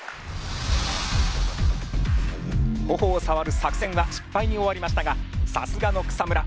頬をさわる作戦は失敗に終わりましたがさすがの草村。